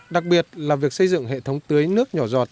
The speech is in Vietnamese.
đặc biệt là việc xây dựng hệ thống tưới nước nhỏ giọt